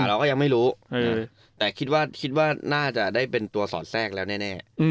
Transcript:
เราก็ยังไม่รู้แต่คิดว่าคิดว่าน่าจะได้เป็นตัวสอดแทรกแล้วแน่